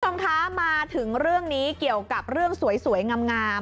คุณผู้ชมคะมาถึงเรื่องนี้เกี่ยวกับเรื่องสวยงาม